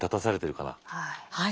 はい。